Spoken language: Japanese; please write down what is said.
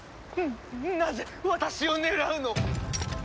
なぜ私を狙うの？